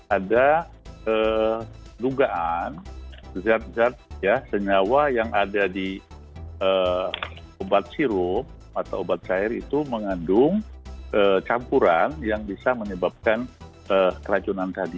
ada dungaan senyawa yang ada di obat sirup atau obat syair itu mengandung campuran yang bisa menyebabkan keracunan tadi